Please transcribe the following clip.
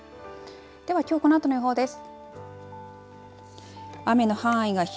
ではきょうこのあとの予報です。